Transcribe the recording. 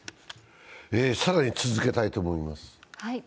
更に続けたいと思います。